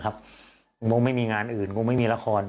มึงไม่มีงานอื่นคงไม่มีละคร